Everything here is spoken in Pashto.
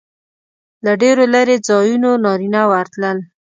له ډېرو لرې ځایونو نارینه ورتلل.